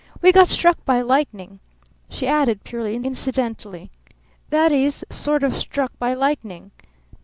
We got struck by lightning," she added purely incidentally. "That is sort of struck by lightning.